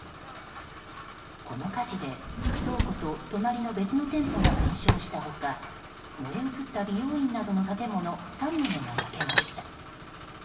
この火事で倉庫と隣の別の店舗が全焼した他燃え移った美容院などの建物３棟が焼けました。